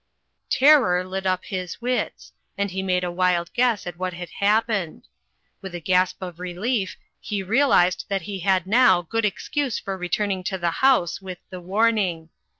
Terror lit up his wits, and he made a wild guess at ivhat had happened With a gasp of relief he realised that he had now good excuse for returning to the house with the warning.